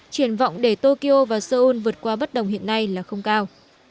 triển vọng để tokyo và seoul vượt qua bất đồng hiện nay là không cao